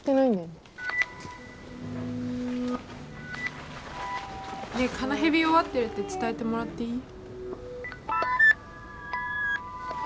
ねえカナヘビ弱ってるって伝えてもらっていい？